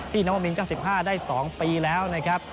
พี่น้องมิล๙๕ได้๒ปีแล้วนะครับ